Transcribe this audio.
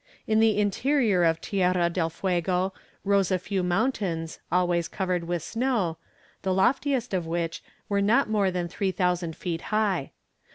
In the interior of Tierra del Fuego rose a few mountains, always covered with snow, the loftiest of which were not more than 3000 feet high.